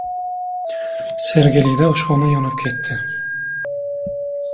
Sergelida oshxona yonib ketdi